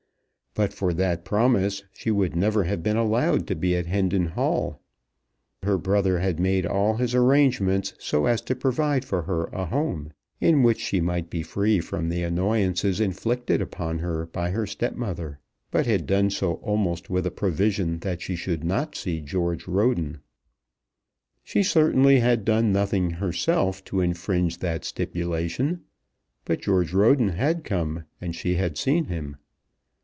But for that promise she would never have been allowed to be at Hendon Hall. His brother had made all his arrangements so as to provide for her a home in which she might be free from the annoyances inflicted upon her by her stepmother; but had done so almost with a provision that she should not see George Roden. She certainly had done nothing herself to infringe that stipulation; but George Roden had come, and she had seen him.